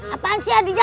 apaan sih adhija